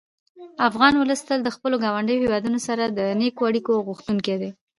افغان ولس تل د خپلو ګاونډیو هېوادونو سره د نېکو اړیکو غوښتونکی دی.